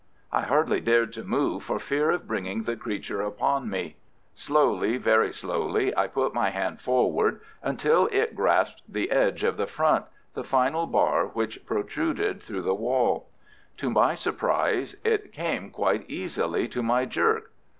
I hardly dared to move for fear of bringing the creature upon me. Slowly, very slowly, I put my hand forward until it grasped the edge of the front, the final bar which protruded through the wall. To my surprise it came quite easily to my jerk.